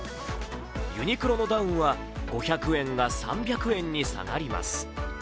ユニクロのダウンは５００円が３００円に下がります。